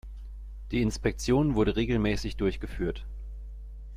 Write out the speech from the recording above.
Die Inspektion wurde regelmäßig durchgeführt.